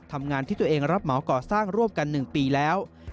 ทำงานที่ตัวเองรับเหมาก่อสร้างร่วมกัน๑ปีแล้ว